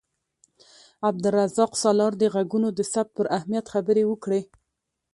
عبدالرزاق سالار د غږونو د ثبت پر اهمیت خبرې وکړې.